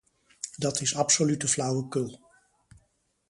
Dat is absolute flauwekul.